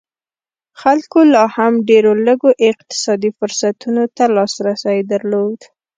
خلکو لا هم ډېرو لږو اقتصادي فرصتونو ته لاسرسی درلود.